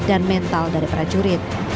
dan mental dari prajurit